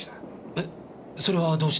えっそれはどうして？